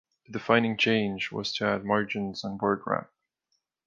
The defining change was to add margins and word wrap.